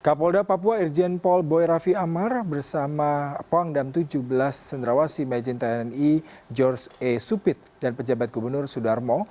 kapolda papua irjen paul boy raffi amar bersama pohang dam tujuh belas sendrawasi majin tni george e supit dan pejabat gubernur sudarmo